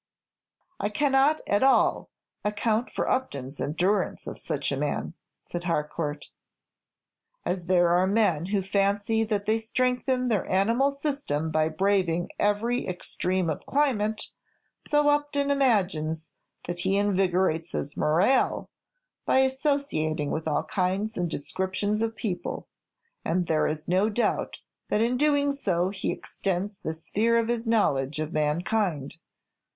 "I cannot at all account for Upton's endurance of such a man," said Harcourt. "As there are men who fancy that they strengthen their animal system by braving every extreme of climate, so Upton imagines that he invigorates his morale by associating with all kinds and descriptions of people; and there is no doubt that in doing so he extends the sphere of his knowledge of mankind.